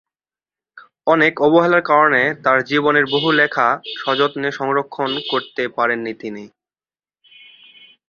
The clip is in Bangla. অনেক অবহেলার কারণে তাঁর জীবনের বহু লেখা সযত্নে সংরক্ষণ করতে পারেন নি তিনি।